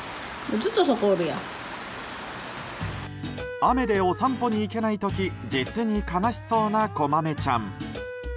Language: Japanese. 雨でお散歩に行けない時実に悲しそうな、こまめちゃん。